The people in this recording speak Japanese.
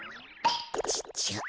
ちっちゃ。